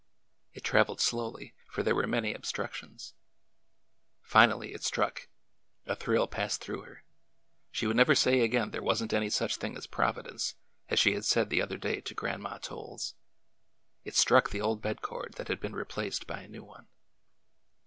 It traveled slowly, for there were many obstructions. Finally, it struck— a thrill passed through her— she would never say again there was n't any such thing as Providence, as she had said the other day to Grandma Tolies— it struck the old bed cord that had been replaced by a new one.